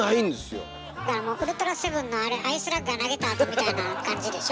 ウルトラセブンのあれアイスラッガー投げたあとみたいな感じでしょ。